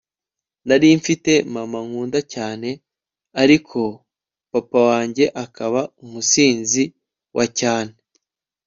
nari mfite mama nkunda cyane ariko papa wanjye akaba umusinzi wacyane